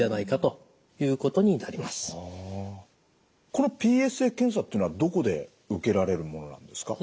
このＰＳＡ検査ってのはどこで受けられるものなんですか？